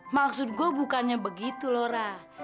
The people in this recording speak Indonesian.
maksud gue bukannya begitu lohra